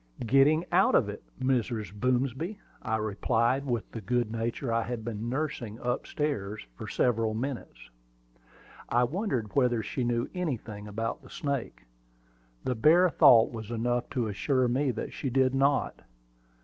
"Getting out of it, Mrs. Boomsby," I replied, with the good nature I had been nursing up stairs for several minutes. I wondered whether she knew anything about the snake. The bare thought was enough to assure me that she did not.